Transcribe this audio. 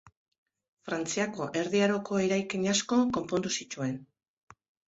Frantziako Erdi Aroko eraikin asko konpondu zituen.